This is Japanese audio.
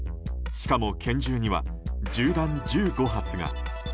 しかも拳銃には銃弾１５発が。